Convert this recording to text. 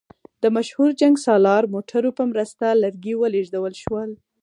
د مشهور جنګسالار موټرو په مرسته لرګي ولېږدول شول.